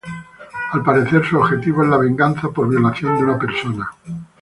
Al parecer, su objetivo es la venganza por violación de una persona.